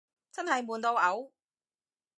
真係悶到嘔